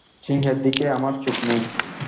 সিংহের দিকে আমার চোখ নেই।